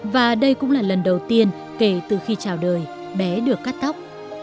và đây cũng là lần đầu tiên kể từ khi trào đời bé được cắt tóc